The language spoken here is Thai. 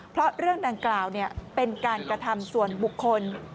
เพราะเรื่องดังกล่าวเป็นการกระทำส่วนบุคคล